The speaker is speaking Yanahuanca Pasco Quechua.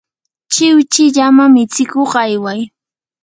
chiwchi llama mitsikuq ayway.